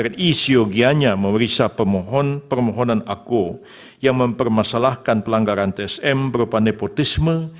dan isiogianya memeriksa permohonan ako yang mempermasalahkan pelanggaran tsm berupa nepotisme